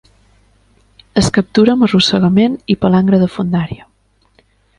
Es captura amb arrossegament i palangre de fondària.